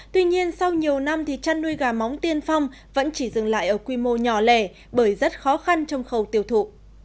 tuy nhiên sau nhiều năm thì chăn nuôi gà móng tiên phong vẫn chỉ dừng lại ở quy mô nhỏ lẻ bởi rất khó khăn trong khâu tiêu thụ